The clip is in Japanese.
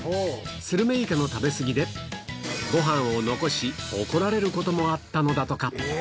スルメイカの食べ過ぎで、ごはんを残し、怒られることもあったのだとか。